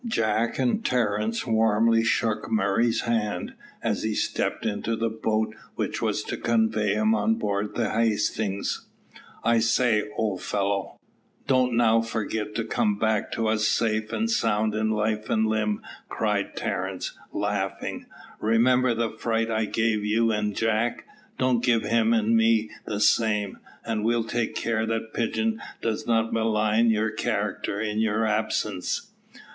Jack and Terence warmly shook Murray's hand, as he stepped into the boat which was to convey him on board the Hastings. "I say, old fellow, don't now forget to come back to us safe and sound in life and limb," cried Terence, laughing; "remember the fright I gave you and Jack. Don't give him and me the same, and we'll take care that Pigeon does not malign your character in your absence."